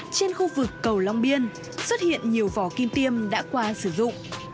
trên khu vực cầu long biên xuất hiện nhiều vỏ kim tiêm đã qua sử dụng